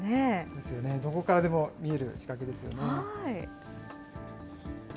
ですよね、どこからでも見える仕掛けですよね。